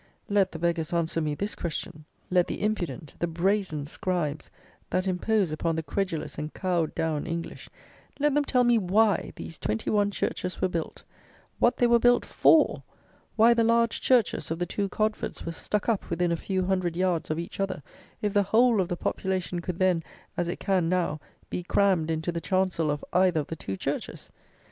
Let the beggars answer me this question; let the impudent, the brazen scribes, that impose upon the credulous and cowed down English; let them tell me why these twenty one churches were built; what they were built FOR; why the large churches of the two Codfords were stuck up within a few hundred yards of each other, if the whole of the population could then, as it can now, be crammed into the chancel of either of the two churches?